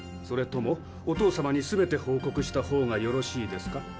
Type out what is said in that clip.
それともお父様に全て報告した方がよろしいですか？